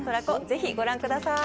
ぜひご覧ください。